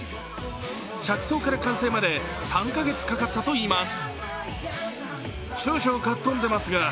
着想から完成まで３か月かかったといいます。